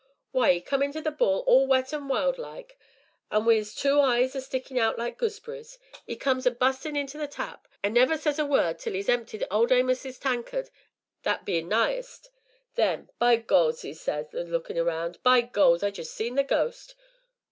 "Why, 'e come into 'The Bull' all wet an' wild like, an' wi' 'is two eyes a stickin' out like gooseberries! 'E comes a bustin' into the 'tap' an' never says a word till 'e's emptied Old Amos's tankard that bein' nighest. Then 'By Goles!' says 'e, lookin' round on us all, 'by Goles! I jest seen the ghost!'